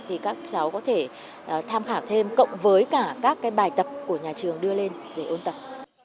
thì các cháu có thể tham khảo thêm cộng với cả các bài tập của nhà trường đưa lên để ôn tập